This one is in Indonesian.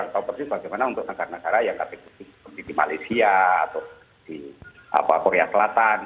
saya kurang tahu persis bagaimana untuk negara negara yang ada di malaysia atau di korea selatan